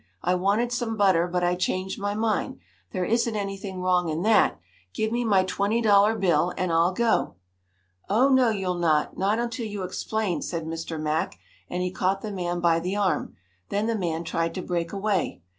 I wanted some butter, but I changed my mind. There isn't anything wrong in that. Give me my twenty dollar bill and I'll go!" "Oh, no, you'll not not until you explain," said Mr. Mack, and he caught the man by the arm. Then the man tried to break away.